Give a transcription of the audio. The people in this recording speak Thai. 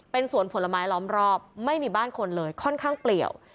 เป็นสวนผลไม้ล้อมรอบไม่มีบ้านคนเลยค่อนข้างเปลี่ยว